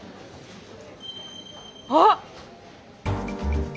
あっ！